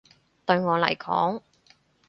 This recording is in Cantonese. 對我嚟講